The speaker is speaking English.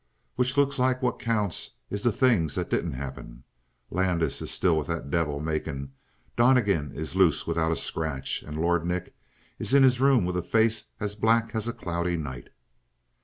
"Which looks like what counts is the things that didn't happen. Landis is still with that devil, Macon. Donnegan is loose without a scratch, and Lord Nick is in his room with a face as black as a cloudy night."